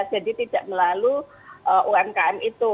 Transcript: jadi tidak melalui umkm itu